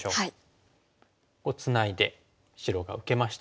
こうツナいで白が受けました。